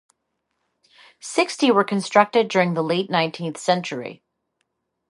Sixty were constructed during the late nineteenth century.